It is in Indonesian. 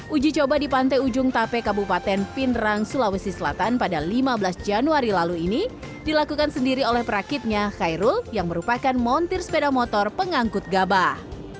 uji coba di pantai ujung tape kabupaten pinderang sulawesi selatan pada lima belas januari lalu ini dilakukan sendiri oleh perakitnya khairul yang merupakan montir sepeda motor pengangkut gabah